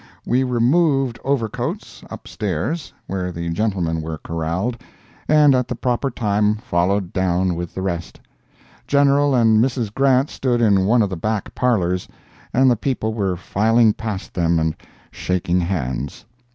We removed overcoats, up stairs, where the gentlemen were corralled, and at the proper time followed down with the rest. General and Mrs. Grant stood in one of the back parlors, and the people were filing past them and shaking hands.